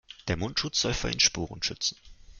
Der Mundschutz soll vor den Sporen schützen.